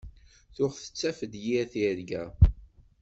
Tuɣ tettafeḍ yir tirga.